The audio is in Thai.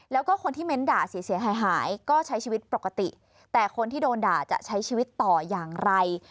แล้วก็คนที่เม้นด่าเสียหายหายก็ใช้ชีวิตปกติแต่คนที่โดนด่าจะใช้ชีวิตต่ออย่างไร